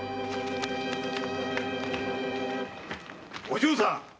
お嬢さん